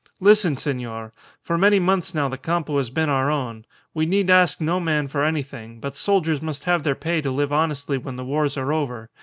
Listen, senor! For many months now the Campo has been our own. We need ask no man for anything; but soldiers must have their pay to live honestly when the wars are over.